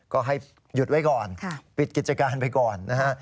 ก็ให้หยุดไว้ก่อนปิดกิจการไปก่อนนะฮะ